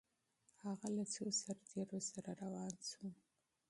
هغه له څو سرتیرو سره روان سو؟